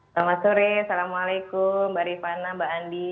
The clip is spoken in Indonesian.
selamat sore assalamualaikum mbak rifana mbak andi